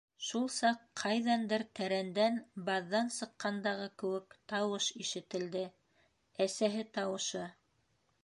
Шул саҡ ҡайҙандыр тәрәндән, баҙҙан сыҡҡандағы кеүек тауыш ишетелде, әсәһе тауышы: